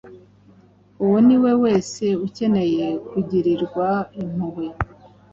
uwo ari we wese ukeneye kugirirwa impuhwe